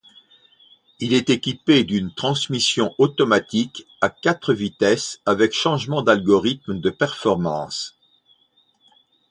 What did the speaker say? Il est équipé d'une transmission automatique à quatre vitesses avec changement d'algorithme de performance.